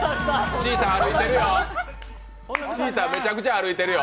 チーター、めちゃくちゃ歩いてるよ。